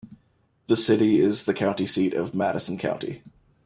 The city is the county seat of Madison County.